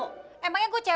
jadi sekarang kamu harus